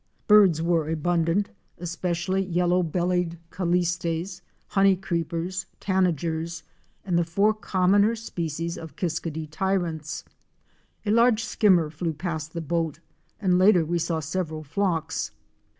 Birds were abundant, especially Yellow bellied Callistes,"* Honey Creepers, Tanagers, and the four commoner species of Kiskadee Tyrants 107; 1% 104 106, A large Skimmer" flew past the boat and later we saw several flocks.